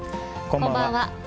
こんばんは。